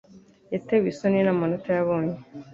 Yatewe isoni n amanota yabonye.